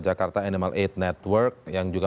jakarta animal aid network yang juga